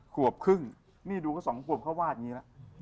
ขวบครึ่งนี่ดูก็๒ขวบเขาวาดอย่างนี้แล้ว